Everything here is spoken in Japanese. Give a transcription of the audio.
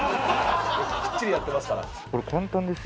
きっちりやってますから。